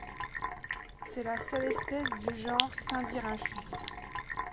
C'est la seule espèce du genre Cymbirhynchus.